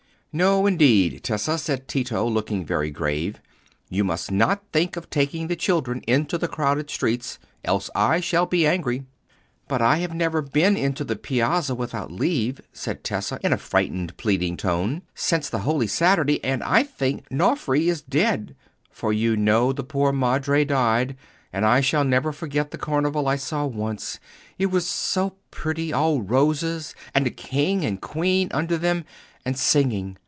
"No, indeed, Tessa," said Tito, looking rather grave, "you must not think of taking the children into the crowded streets, else I shall be angry." "But I have never been into the Piazza without leave," said Tessa, in a frightened, pleading tone, "since the Holy Saturday, and I think Nofri is dead, for you know the poor madre died; and I shall never forget the Carnival I saw once; it was so pretty—all roses and a king and queen under them—and singing.